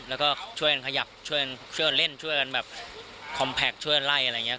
แล้วก็ช่วยกันขยับช่วยเล่นช่วยกันแบบคอมแพคช่วยไล่อะไรอย่างนี้